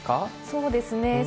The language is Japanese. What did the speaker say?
そうですね。